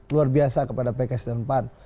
luar biasa kepada pks dan pan